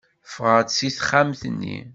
Ffɣeɣ seg texxamt-nni.